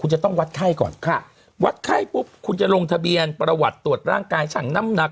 จะต้องวัดไข้ก่อนค่ะวัดไข้ปุ๊บคุณจะลงทะเบียนประวัติตรวจร่างกายช่างน้ำหนัก